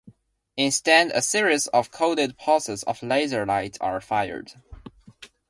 Instead, a series of coded pulses of laser-light are fired.